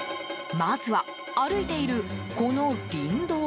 まずは、歩いているこの林道。